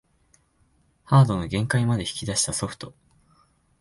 ハードの限界まで引き出したソフト